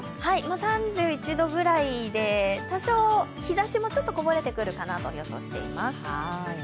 ３１度くらいで日ざしもちょっとこぼれてくるかなと予想しています。